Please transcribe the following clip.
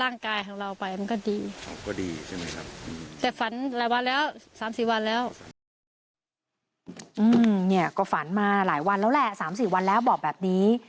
เนี่ยก็ฝันมาหลายวันแล้วแหละ๓๔วันแล้วบอกแบบนี้